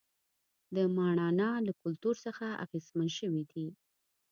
د ماڼانا له کلتور څخه اغېزمن شوي دي.